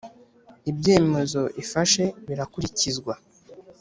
ibyemezo ifashe birakurikizwa.